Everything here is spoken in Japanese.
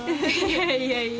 いやいやいや。